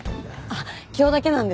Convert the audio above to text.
あっ今日だけなんです。